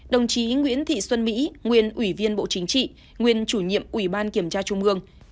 đồng chí nguyễn thị xuân mỹ nguyên ủy viên bộ chính trị nguyên chủ nhiệm ủy ban kiểm tra trung ương